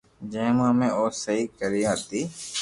جو مي او سھي ڪوئي ھتئ